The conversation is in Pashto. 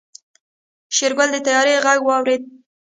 شېرګل د طيارې غږ واورېد.